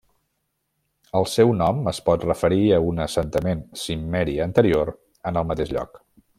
El seu nom es pot referir a un assentament cimmeri anterior en el mateix lloc.